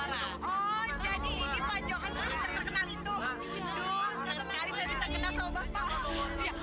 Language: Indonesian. seneng sekali saya bisa kenal sama bapak